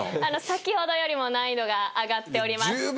先ほどよりも難易度が上がっております。